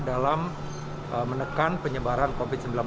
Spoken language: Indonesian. dalam menekan penyebaran covid sembilan belas